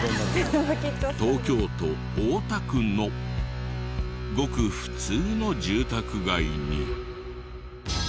東京都大田区のごく普通の住宅街に。